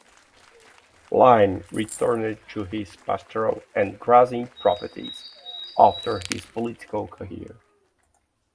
Lyne returned to his pastoral and grazing properties after his political career.